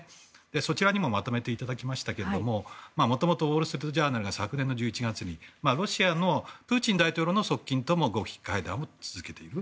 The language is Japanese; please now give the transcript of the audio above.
そちらにもまとめてありますがもともと、ウォール・ストリート・ジャーナルが昨年の１１月にロシアのプーチン大統領の側近とも極秘会談を続けている。